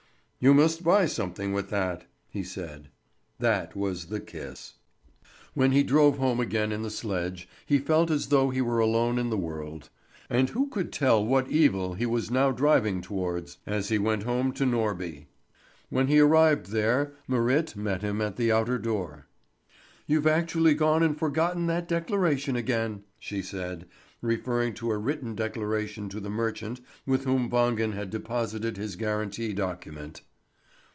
"You must buy something with that," he said. That was the kiss. When he drove home again in the sledge, he felt as though he were alone in the world. And who could tell what evil he was now driving towards, as he went home to Norby? When he arrived there, Marit met him at the outer door. "You've actually gone and forgotten that declaration again," she said, referring to a written declaration to the merchant with whom Wangen had deposited his guarantee document.